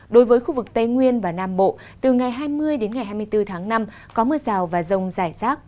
đối với khu vực tây nguyên và nam bộ từ ngày hai mươi hai mươi bốn tháng năm có mưa rào và rông dài rác